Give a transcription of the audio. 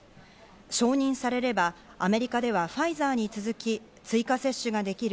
承認されればアメリカではファイザーに続き追加接種ができる